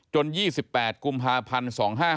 จน๒๘กุมภาพันธ์๒๕๖๑